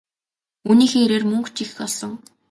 Үүнийхээ хэрээр мөнгө ч их олсон.